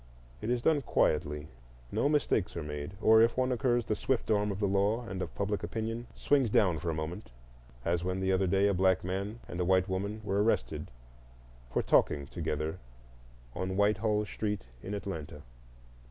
It is done quietly; no mistakes are made, or if one occurs, the swift arm of the law and of public opinion swings down for a moment, as when the other day a black man and a white woman were arrested for talking together on Whitehall Street in Atlanta.